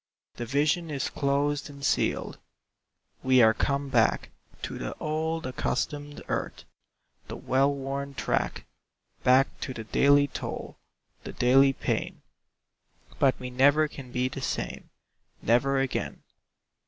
The vision is closed and sealed. We are come back To the old, accustomed earth, The well worn track, Back to the daily toil, The daily pain, But we never can be the same, Never again.